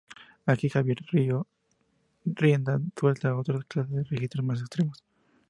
Aquí Javier dio rienda suelta a otra clase de registros más extremos.